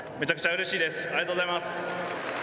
ありがとうございます。